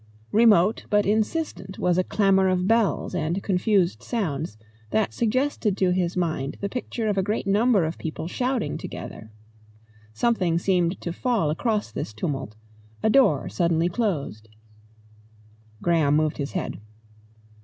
Remote but insistent was a clamour of bells and confused sounds, that suggested to his mind the picture of a great number of people shouting together. Something seemed to fall across this tumult, a door suddenly closed. Graham moved his head.